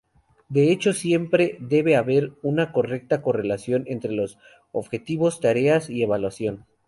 De hecho, siempre debe haber una correcta correlación entre objetivos, tareas y evaluación.